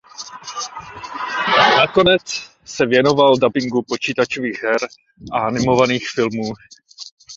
Nakonec se věnoval dabingu počítačových her a animovaných filmů.